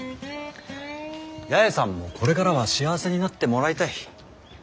八重さんもこれからは幸せになってもらいたい。